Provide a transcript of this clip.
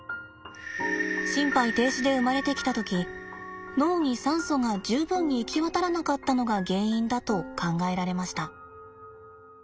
心肺停止で生まれてきた時脳に酸素が充分に行き渡らなかったのが原因だと考えられました。